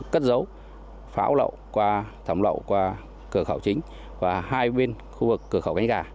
cất dấu pháo lậu qua thẩm lậu qua cửa khẩu chính